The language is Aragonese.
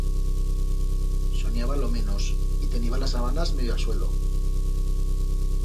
Soniaba lo menos, y teniba las sabanas medio a'l suelo.